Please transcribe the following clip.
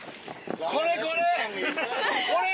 これこれ！